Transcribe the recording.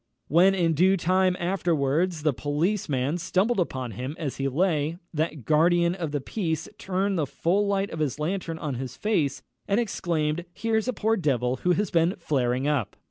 When, in due time afterwards, the policeman stumbled upon him as he lay, that guardian of the peace turned the full light of his lantern on his face, and exclaimed, "Here's a poor devil who has been flaring up!"